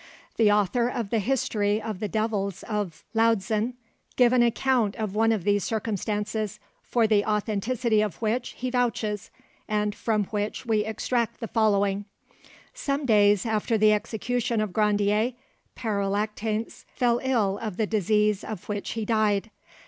The author of the History of the Devils of Loudzin gives an account of one of these circumstances, for the authenticity of which he vouches, and from which we extract the following: "Some days after the execution of Grandier, Pere Lactance fell ill of the disease of which he died.